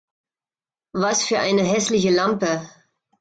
Was für eine hässliche Lampe!